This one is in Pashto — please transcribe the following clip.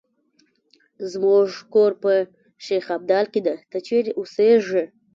زمونږ کور په شیخ ابدال کې ده، ته چېرې اوسیږې؟